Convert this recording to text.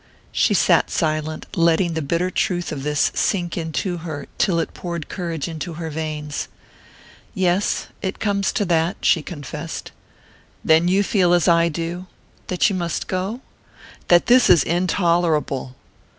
She sat silent, letting the bitter truth of this sink into her till it poured courage into her veins. "Yes it comes to that," she confessed. "Then you feel as I do?" "That you must go ?" "That this is intolerable!"